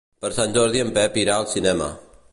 Per Sant Jordi en Pep irà al cinema.